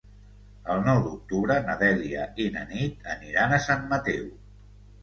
El nou d'octubre na Dèlia i na Nit aniran a Sant Mateu.